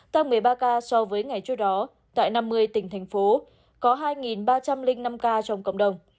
tăng một mươi ba ca so với ngày trước đó tại năm mươi tỉnh thành phố có hai ba trăm linh năm ca trong cộng đồng